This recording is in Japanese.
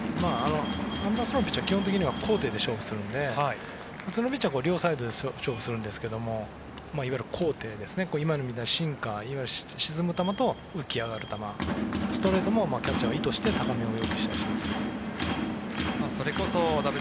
アンダースローのピッチャーは高低で勝負するので普通のピッチャーは左右で勝負するんですけど今みたいにシンカー沈む球と浮き上がる球ストレートもキャッチャーが意図して高めを要求します。